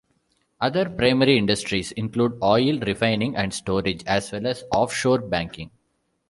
Other primary industries include oil refining and storage, as well as offshore banking.